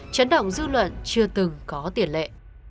chấn động dư luận chưa từng có tiền lệ